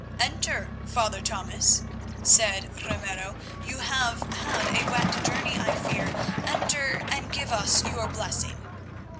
"Enter, Father Thomas," said Ramiro; "you have had a wet journey, I fear. Enter and give us your blessing."